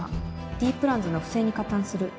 Ｄ プランズの不正に加担する